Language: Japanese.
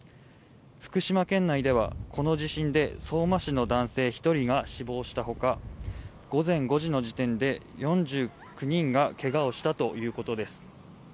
福島県内ではこの地震で相馬市の男性１人が死亡したほか午前５時の時点で４９人が怪我をしたということです。